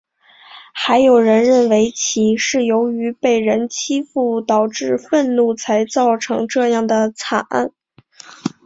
还有人认为其是由于被人欺负导致愤怒才造成这样的惨案。